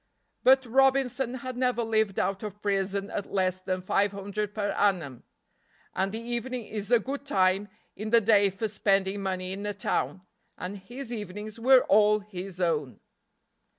But Robinson had never lived out of prison at less than five hundred per annum, and the evening is a good time in the day for spending money in a town, and his evenings were all his own.